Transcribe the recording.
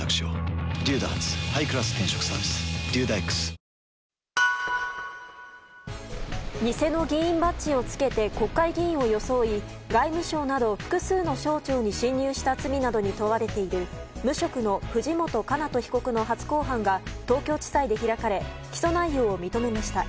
どん兵衛偽の議員バッジを着けて国会議員を装い外務省など複数の省庁へ侵入した罪などに問われている無職の藤本叶人被告の初公判が東京地裁で開かれ起訴内容を認めました。